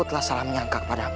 telah salah menyangka kepadamu